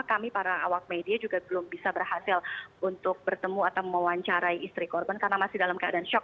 kami para awak media juga belum bisa berhasil untuk bertemu atau mewawancarai istri korban karena masih dalam keadaan shock